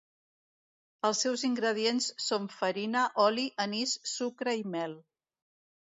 Els seus ingredients són farina, oli, anís, sucre i mel.